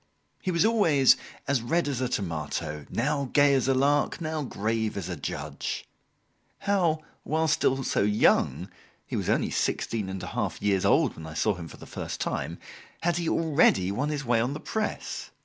He was always as red as a tomato, now gay as a lark, now grave as a judge. How, while still so young he was only sixteen and a half years old when I saw him for the first time had he already won his way on the press?